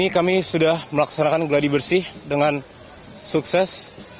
kami sudah melaksanakan geladi bersih dengan sukses